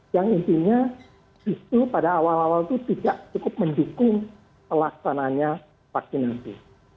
yang intinya justru pada awal awal itu tidak cukup mendukung pelaksananya vaksinasi